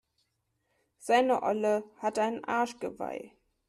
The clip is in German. Seine Olle hat ein Arschgeweih.